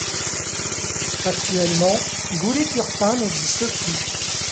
Actuellement, Goulet-Turpin n'existe plus.